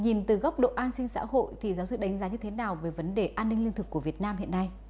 nhìn từ góc độ an sinh xã hội thì giáo sư đánh giá như thế nào về vấn đề an ninh lương thực của việt nam hiện nay